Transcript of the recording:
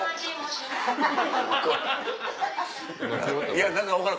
いや何か分からん。